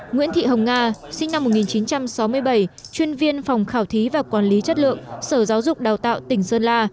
nguyễn thị hồng nga sinh năm một nghìn chín trăm sáu mươi bảy chuyên viên phòng khảo thí và quản lý chất lượng sở giáo dục đào tạo tỉnh sơn la